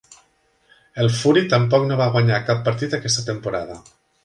El Fury tampoc no va guanyar cap partit aquesta temporada.